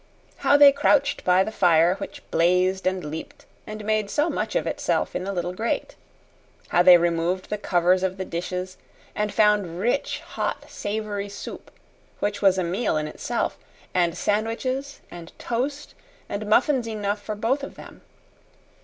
How they crouched by the fire which blazed and leaped and made so much of itself in the little grate. How they removed the covers of the dishes, and found rich, hot, savory soup, which was a meal in itself, and sandwiches and toast and muffins enough for both of them.